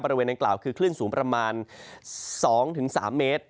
บริเวณดังกล่าวคือคลื่นสูงประมาณ๒๓เมตร